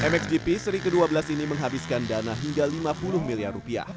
mxgp seri ke dua belas ini menghabiskan dana hingga lima puluh miliar rupiah